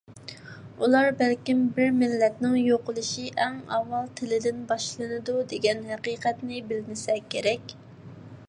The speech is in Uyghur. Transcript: ئۇلار بەلكىم «بىر مىللەتنىڭ يوقىلىشى ئەڭ ئاۋۋال تىلىدىن باشلىنىدۇ» دېگەن ھەقىقەتنى بىلمىسە كېرەك!